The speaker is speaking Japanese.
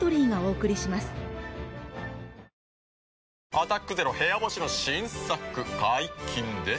「アタックＺＥＲＯ部屋干し」の新作解禁です。